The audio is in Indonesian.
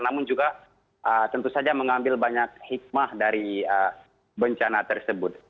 namun juga tentu saja mengambil banyak hikmah dari bencana tersebut